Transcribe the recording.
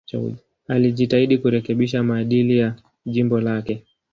Alijitahidi kurekebisha maadili ya jimbo lake.